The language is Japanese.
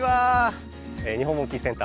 日本モンキーセンター